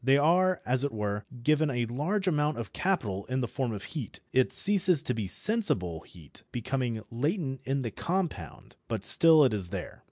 They are, as it were, given a large amount of capital in the form of heat. It ceases to be sensible heat, becoming latent in the compound, but still it is there.